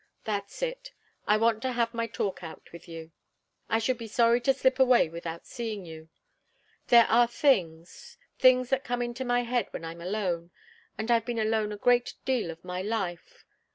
That's it. I want to have my talk out with you. I should be sorry to slip away without seeing you. There are things things that come into my head when I'm alone and I've been alone a great deal in my life.